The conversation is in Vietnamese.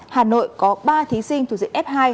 hà nội có ba thí sinh thuộc diện f hai